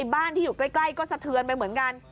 บ้านที่อยู่ใกล้ก็สะเทือนไปเหมือนกัน